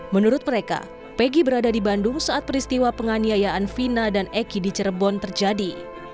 menurut mereka pegi berada di bandung saat peristiwa penganiayaan vina dan eki di cirebon terjadi